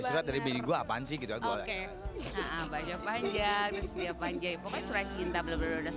surat dari beli gua apaan sih gitu oke banyak panjang dia panjang pokoknya surat cinta blablabla